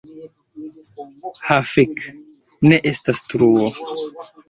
Ha fek' ne estas truo!